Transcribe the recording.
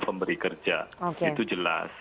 pemberi kerja itu jelas